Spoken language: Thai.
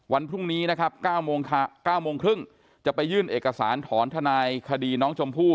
วันพรุ่งนี้นะครับ๙โมงครึ่งจะไปยื่นเอกสารถอนทนายคดีน้องชมพู่